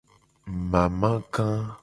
Mamaga.